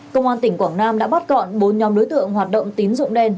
công an tỉnh quảng nam đã bắt gọn bốn nhóm đối tượng hoạt động tín dụng đen